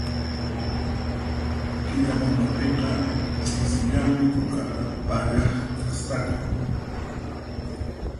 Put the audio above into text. Quillabambapiqa ch'isillanmi kukata pallaq kasqaku